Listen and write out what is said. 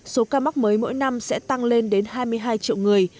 số ca mắc mới mỗi năm sẽ tăng lên đến hai mươi hai triệu người